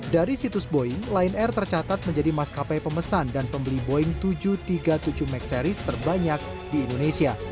dari situs boeing lion air tercatat menjadi maskapai pemesan dan pembeli boeing tujuh ratus tiga puluh tujuh max series terbanyak di indonesia